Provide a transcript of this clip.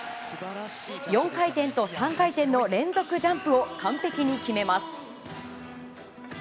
４回転と３回転の連続ジャンプを完璧に決めます。